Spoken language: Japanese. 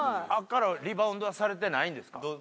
あそこからリバウンドはされてないんですか？